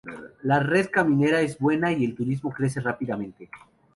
La red caminera es buena y el turismo crece rápidamente.